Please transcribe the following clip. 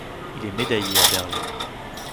Il est médaillé à Berlin.